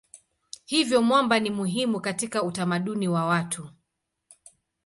Hivyo mwamba ni muhimu katika utamaduni wa watu.